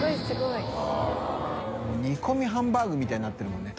い笋發煮込みハンバーグみたいになってるもんね。